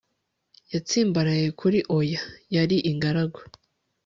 yatsimbaraye kuri oya - yari ingaragu